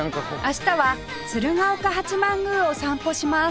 明日は鶴岡八幡宮を散歩します